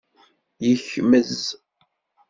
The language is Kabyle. Yekmez.